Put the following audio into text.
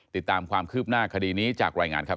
ติดตามความคืบหน้าคดีนี้จากรายงานครับ